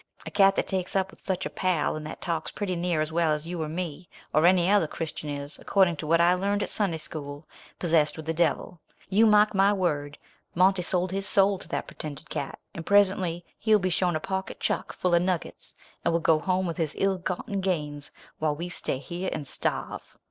A cat that takes up with such a pal, and that talks pretty near as well as you or me, or any other Christian is, according to what I learned at Sunday School, possessed with the devil. You mark my word, Monty sold his soul to that pretended cat, and presently he'll be shown a pocket chuck full of nuggets, and will go home with his ill gotten gains while we stay here and starve."